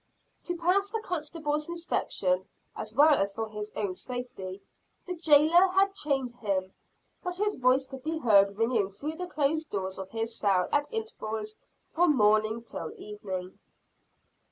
To pass the constable's inspection, as well as for his own safety, the jailer had chained him; but his voice could be heard ringing through the closed door of his cell at intervals from morning till evening.